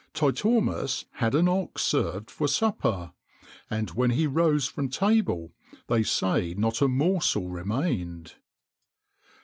[XXIX 7] Titormus had an ox served for supper, and when he rose from table, they say not a morsel remained.